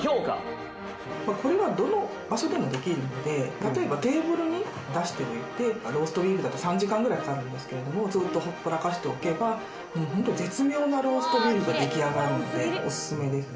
例えばテーブルに出しておいてローストビーフだと３時間ぐらいかかるんですけれどずっとほっぽらかしておけばもう本当絶妙なローストビーフが出来上がるのでオススメですね。